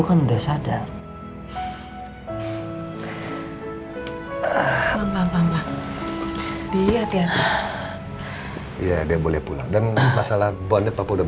kamu mau pulang sih